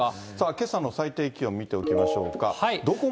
けさの最低気温見ておきましょうか。